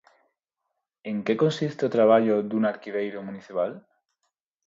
En que consiste o traballo dun arquiveiro municipal?